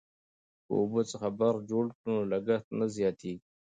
که اوبو څخه برق جوړ کړو نو لګښت نه زیاتیږي.